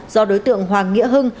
do đối tượng hoàng nghĩa hưng